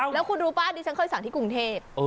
แล้วคุณรู้ป่ะดิฉันเคยสั่งที่กรุงเทพ